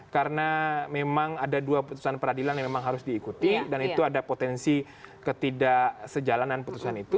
karena memang ada dua putusan peradilan yang memang harus diikuti dan itu ada potensi ketidaksejalanan putusan itu